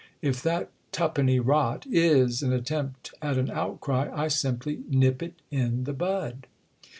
If that tuppeny rot is an attempt at an outcry I simply nip it in the bud."